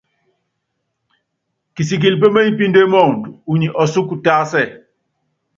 Kisikili peményipíndé muundɔ, unyi ɔsúku tásɛ.